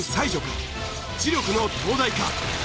知力の東大か。